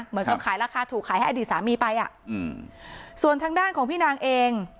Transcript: เหมือนกับขายราคาถูกขายให้อดีตสามีไปอ่ะอืมส่วนทางด้านของพี่นางเอง